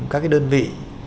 các cái đơn vị